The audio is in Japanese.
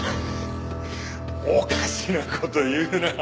おかしな事言うな。